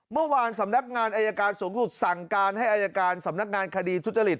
เมื่อวานสำนักงานอายการสูงสุดสั่งการให้อายการสำนักงานคดีทุจริต